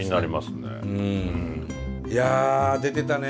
いや出てたね